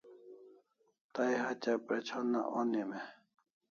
Tay hatya pre'chona onim e?